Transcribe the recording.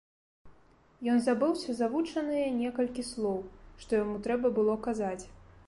Ён забыўся завучаныя некалькі слоў, што яму трэба было казаць.